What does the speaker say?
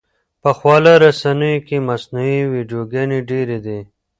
په خواله رسنیو کې مصنوعي ویډیوګانې ډېرې دي.